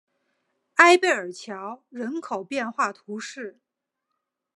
埃贝尔桥人口变化图示